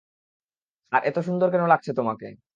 আর, এতো সুন্দর কেন লাগছে তোমাকে?